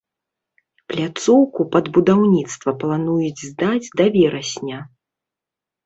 Пляцоўку пад будаўніцтва плануюць здаць да верасня.